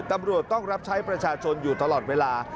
ตำรวจต้องรับใช้ประชาชนอยู่ตลอดเวลา